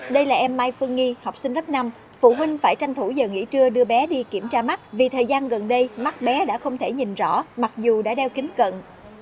đây là em mai phương nghi học sinh lớp năm phụ huynh phải tranh thủ giờ nghỉ trưa đưa bé đi kiểm tra mắt vì thời gian gần đây mắt bé đã không thể nhìn rõ mặc dù đã đeo kính cận